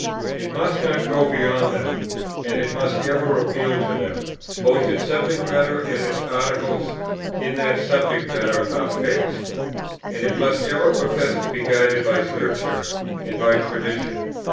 It must not go beyond them, and it must ever appeal to them. Both its subject matter, and its articles in that subject matter, are fixed. And it must ever profess to be guided by Scripture and by tradition.